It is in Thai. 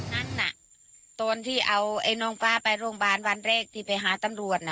นั่นน่ะตอนที่เอาไอ้น้องฟ้าไปโรงพยาบาลวันแรกที่ไปหาตำรวจ